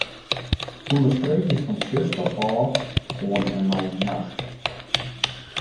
Understreekje fan 'tsjuster' ôf oant en mei 'nacht'.